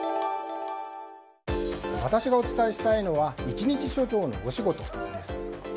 私がお伝えしたいのは一日署長のお仕事です。